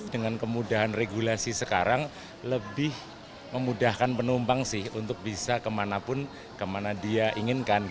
dengan kemudahan regulasi sekarang lebih memudahkan penumpang sih untuk bisa kemanapun kemana dia inginkan